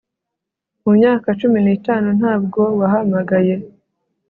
Mu myaka cumi nitanu ntabwo wahamagaye